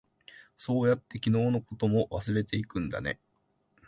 そうやって、昨日のことも忘れていくんだね。